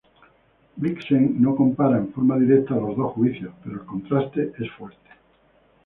Blixen no compara en forma directa los dos juicios, pero el contraste es fuerte.